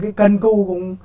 rồi cái cần cưu cũng